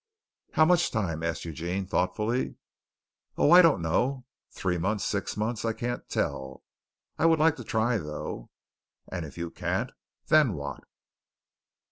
"How much time?" asked Eugene thoughtfully. "Oh, I don't know. Three months. Six months. I can't tell. I would like to try, though." "And if you can't, then what?"